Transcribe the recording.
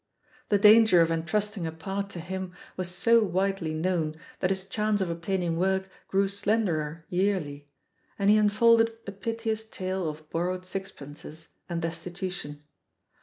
The dan ger of entrusting a part to him was so widely 188 THE POSITION OF PEGGY HARPER known that his chance of obtaming work grew slenderer yearly, and he unfolded a piteous tale of borrowed sixpences and destitution.